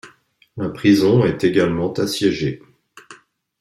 La prison est également assiégée.